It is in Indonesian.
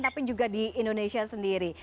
tapi juga di indonesia sendiri